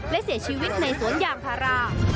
และเสียชีวิตในสวนยางพารา